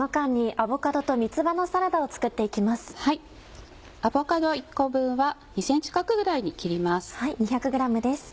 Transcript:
アボカド１個分は２ｃｍ角ぐらいに切ります。